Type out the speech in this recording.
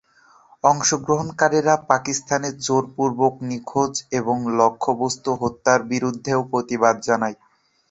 অংশগ্রহণকারীরা পাকিস্তানে জোরপূর্বক নিখোঁজ এবং লক্ষ্যবস্তু হত্যার বিরুদ্ধেও প্রতিবাদ জানায়।